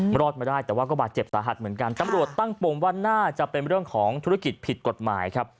รอดมาได้แต่ว่าก็บาดเจ็บสาหัสเหมือนกันตำรวจตั้งปมว่าน่าจะเป็นเรื่องของธุรกิจผิดกฎหมายครับ